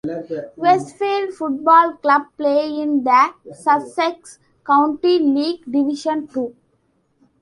Westfield Football Club play in the Sussex County League Division Two.